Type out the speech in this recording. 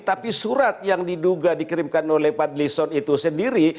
tapi surat yang diduga dikirimkan oleh pak dli son itu sendiri